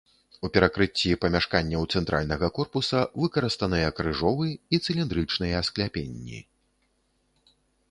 У перакрыцці памяшканняў цэнтральнага корпуса выкарыстаныя крыжовы і цыліндрычныя скляпенні.